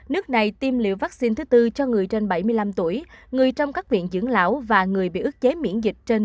nước này tiêm liệu vaccine thứ tư cho người trở lên